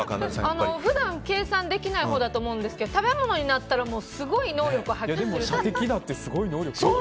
普段、計算できないほうだと思うんですけど食べ物になったらすごい能力を発揮するという。